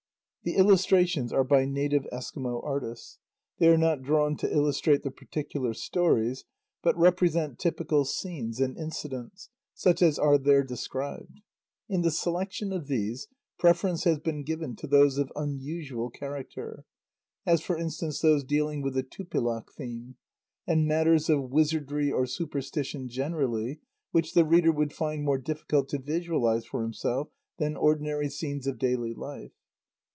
The illustrations are by native Eskimo artists. They are not drawn to illustrate the particular stories, but represent typical scenes and incidents such as are there described. In the selection of these, preference has been given to those of unusual character, as for instance those dealing with the "tupilak" theme, and matters of wizardry or superstition generally, which the reader would find more difficult to visualize for himself than ordinary scenes of daily life.